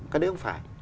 cái đấy không phải